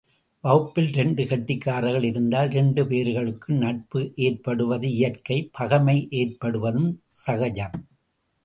வகுப்பில் இரண்டு கெட்டிக்காரர்கள் இருந்தால், இரண்டு பேர்களுக்கும் நட்பு ஏற்படுவது இயற்கை பகைமை ஏற்படுவதும் சகஜம்.